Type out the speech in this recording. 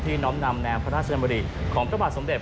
ที่น้อมนำแนวพระราชนมริปุ่มทะวัดสำเร็จ